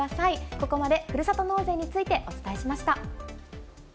ここまでふるさと納税についてお伝えしました。